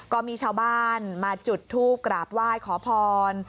ก็มีชาวบ้านมาจุดทูปกราบไหว้ขอพร